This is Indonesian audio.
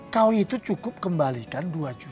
kau itu cukup kembalikan dua tiga ratus